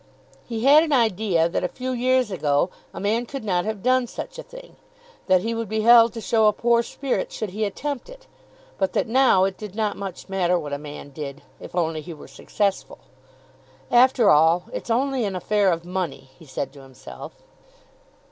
He had an idea that a few years ago a man could not have done such a thing that he would be held to show a poor spirit should he attempt it; but that now it did not much matter what a man did, if only he were successful. "After all it's only an affair of money," he said to himself.